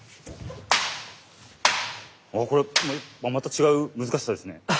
あっこれまた違う難しさですね。